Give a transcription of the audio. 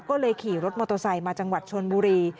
ก็เลยขี่รถมอเตอร์ไซค์มาจังหวัดชนบุรี